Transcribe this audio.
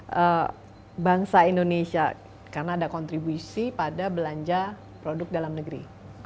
untuk bangsa indonesia karena ada kontribusi pada belanja produk dalam negeri